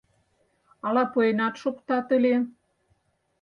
Ала пуэнат шуктат ыле...